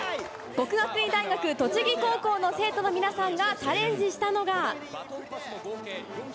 國學院大學栃木高校の生徒の皆さんがチャレンジしたのが。